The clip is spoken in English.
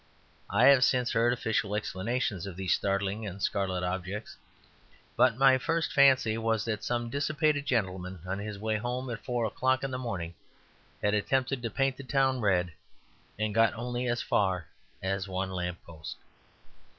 I have since heard official explanations of these startling and scarlet objects. But my first fancy was that some dissipated gentleman on his way home at four o'clock in the morning had attempted to paint the town red and got only as far as one lamp post.